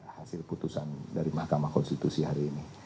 hasil putusan dari mahkamah konstitusi hari ini